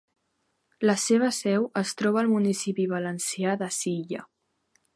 La seva seu es troba al municipi valencià de Silla.